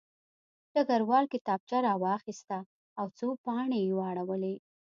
ډګروال کتابچه راواخیسته او څو پاڼې یې واړولې